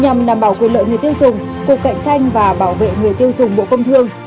nhằm đảm bảo quyền lợi người tiêu dùng cục cạnh tranh và bảo vệ người tiêu dùng bộ công thương